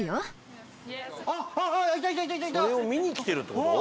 それを見に来てるって事？